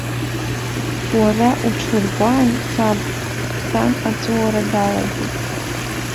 Уара уҽургәаан, саб, сан аҵәуара далагеит.